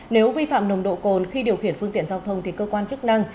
nếu vi phạm nồng độ cồn khi điều khiển phương tiện giao thông thì cơ quan chức năng